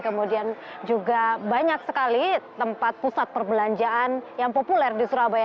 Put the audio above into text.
kemudian juga banyak sekali tempat pusat perbelanjaan yang populer di surabaya